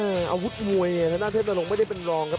เอออาวุธมวยนะครับธนาคต์เทศนรงคฤทธิ์ไม่ได้เป็นรองครับ